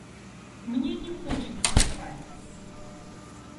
Мне не хочется спать.